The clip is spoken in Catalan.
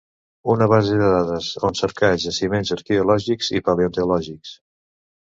Una base de dades on cercar jaciments arqueològics i paleontològics.